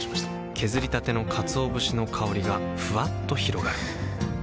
削りたてのかつお節の香りがふわっと広がるはぁ。